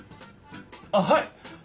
あっはい！